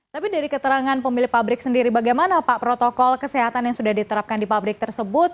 tapi dari keterangan pemilik pabrik sendiri bagaimana pak protokol kesehatan yang sudah diterapkan di pabrik tersebut